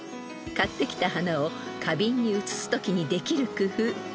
［買ってきた花を花瓶に移すときにできる工夫］